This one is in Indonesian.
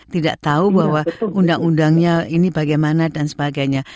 tidak tahu bahwa undang undangnya ini bagaimana dan sebagainya